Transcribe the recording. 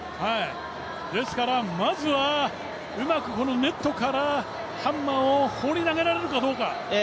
ですから、まずはうまくこのネットからハンマーを放り投げられるかどうか。